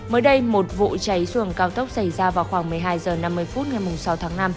mới đây một vụ cháy xuồng cao tốc xảy ra vào khoảng một mươi hai h năm mươi phút ngày sáu tháng năm